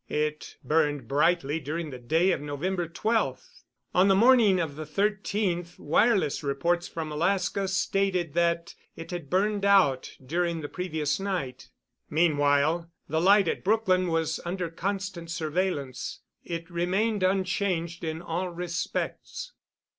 It burned brightly during the day of November 12. On the morning of the 13th wireless reports from Alaska stated that it had burned out during the previous night. Meanwhile the light at Brookline was under constant surveillance. It remained unchanged in all respects.